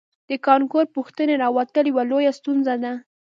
د کانکور پوښتنې راوتل یوه لویه ستونزه ده